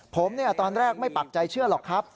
ผมตอนแรกไม่ปักใจเชื่อหรอกครับ